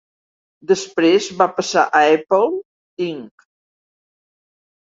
Després va passar a Apple Inc.